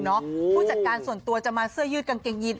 ผู้จัดการส่วนตัวจะมาเสื้อยืดกางเกงยิน